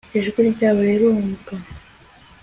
ijwi ryabo rirumvwa